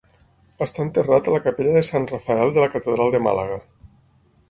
Està enterrat a la capella de sant Rafael de la catedral de Màlaga.